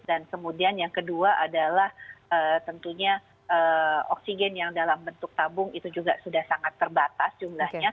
dan kemudian yang kedua adalah tentunya oksigen yang dalam bentuk tabung itu juga sudah sangat terbatas jumlahnya